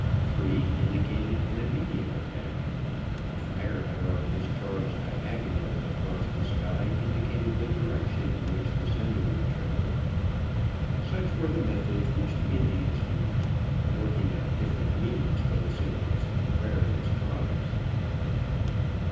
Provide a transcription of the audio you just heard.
Three indicated an immediate attack. A fire arrow discharged diagonally across the sky indicated the direction in which the sender would travel. Such were the methods which the Indians used, working out different meanings for the signals in the various tribes.